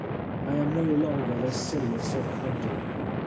I am no longer the Sirius of Comedy.